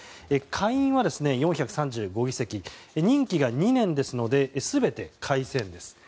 下院は４３５議席人気が２年ですので全て改選です。